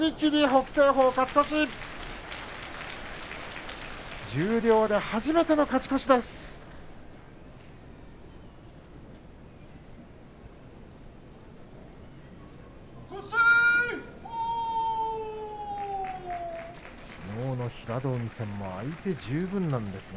北青鵬、十両で初めての勝ち越しです。